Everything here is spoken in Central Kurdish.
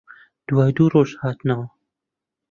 دوای دوو ڕۆژ هاتنەوە